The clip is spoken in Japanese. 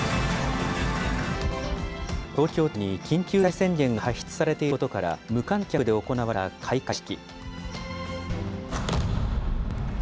東京都に緊急事態宣言が発出されていることから、無観客で行われた開会式。